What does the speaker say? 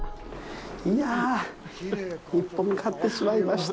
いやぁ、１本、買ってしまいました！